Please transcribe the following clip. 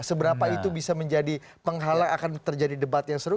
seberapa itu bisa menjadi penghalang akan terjadi debat yang seru